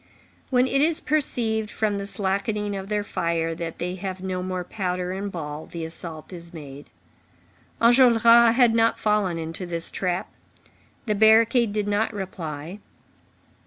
When it is perceived, from the slackening of their fire, that they have no more powder and ball, the assault is made. Enjolras had not fallen into this trap; the barricade did not reply.